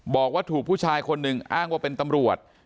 บอกว่าถูกผู้ชายคนหนึ่งอ้างว่าเป็นตำรวจ